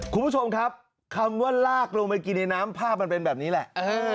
คุณผู้ชมครับคำว่าลากลงไปกินในน้ำภาพมันเป็นแบบนี้แหละ